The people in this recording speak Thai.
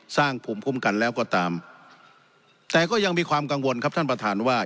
สร้างภูมิคุ้มกันแล้วก็ตามแต่ก็ยังมีความกังวลครับท่านประธานว่า